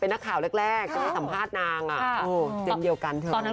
ปอลล่าอยู่วงการมายาวนานมา